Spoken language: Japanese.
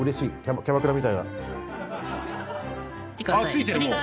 ついてるもう。